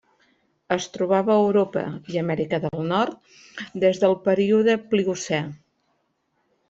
Es trobava a Europa i Amèrica del Nord des del període Pliocè.